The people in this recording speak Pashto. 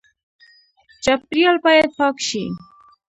چاپیریال باید پاک شي